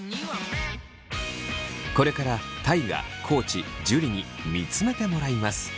これから大我地樹に見つめてもらいます。